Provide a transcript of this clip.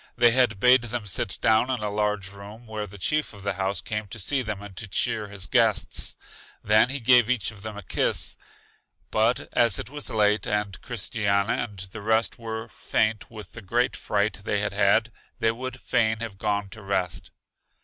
They then bade them sit down in a large room, where the chief of the house came to see them and to cheer his guests. Then he gave each of them a kiss. But as it was late, and Christiana and the rest were faint with the great fright they had had, they would fain have gone to rest.